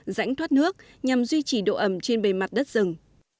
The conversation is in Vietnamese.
rãnh thoát nước nhằm duy trì độ ẩm trên bề mặt đất rừng